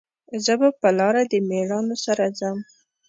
زه به په لار د میړانو سره ځم